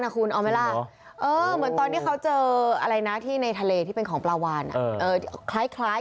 คือราคามันสูงมาก